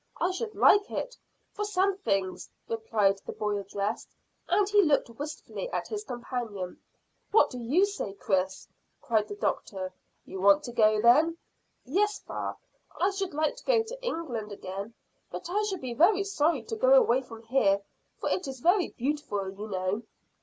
I should like it for some things," replied the boy addressed, and he looked wistfully at his companion. "What do you say, Chris?" cried the doctor. "You want to go, then?" "Yes, fa, I should like to go to England again, but I shall be very sorry to go away from here, for it is very beautiful, you know."